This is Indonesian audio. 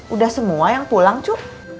udah semua yang pulang cu